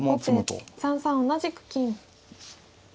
後手３三同じく金。